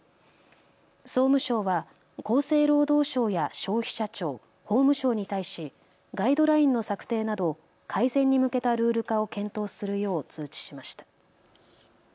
総務省は厚生労働省や消費者庁、法務省に対しガイドラインの策定など改善に向けたルール化を検討するよう通知しました。